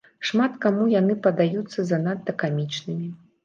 Шмат каму яны падаюцца занадта камічнымі.